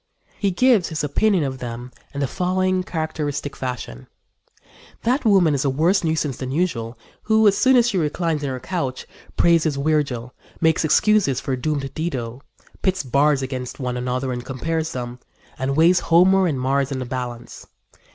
He gives his opinion of them in the following characteristic fashion: "That woman is a worse nuisance than usual who, as soon as she reclines on her couch, praises Virgil; makes excuses for doomed Dido; pits bards against one another and compares them, and weighs Homer and Mars in the balance.